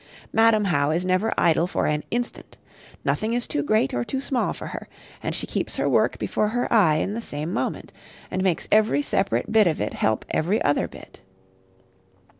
Madam How is never idle for an instant. Nothing is too great or too small for her; and she keeps her work before her eye in the same moment, and makes every separate bit of it help every other bit.